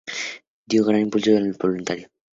Dio gran impulso al voluntariado.